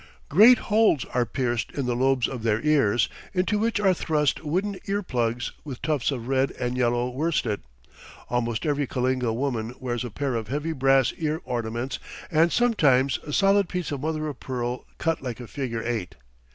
Great holes are pierced in the lobes of their ears, into which are thrust wooden ear plugs, with tufts of red and yellow worsted. Almost every Kalinga woman wears a pair of heavy brass ear ornaments and sometimes a solid piece of mother of pearl cut like a figure eight.